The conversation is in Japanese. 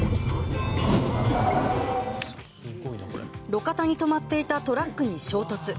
路肩に止まっていたトラックに衝突。